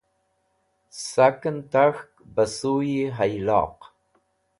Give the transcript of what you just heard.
Saken Tak̃hk Bẽ Suyi Hayloq